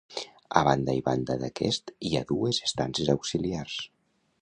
A banda i banda d'aquest hi ha dues estances auxiliars.